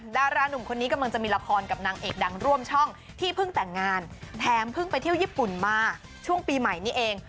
ดารานุ่มคนนี้กำลังจะมีละครกับนางเอกดังร่วมช่องที่เพิ่งแต่งงานแถมเพิ่งไปเที่ยวญี่ปุ่นมาช่วงปีใหม่นี้เอง